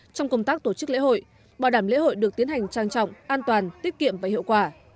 trong công tác tổ chức lễ hội bảo đảm lễ hội được tiến hành trang trọng an toàn tiết kiệm và hiệu quả